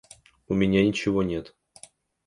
У меня ничего нет.